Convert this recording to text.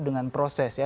dengan proses ya